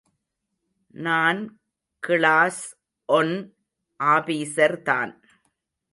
நான் class one ஆபீசர்தான்.